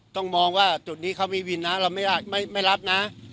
ต้องมองว่าจุดนี้เขามีวินนะเราไม่รับนะ